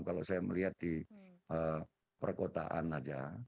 kalau saya melihat di perkotaan saja